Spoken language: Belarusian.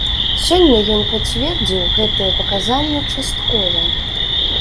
Сёння ён пацвердзіў гэтыя паказанні часткова.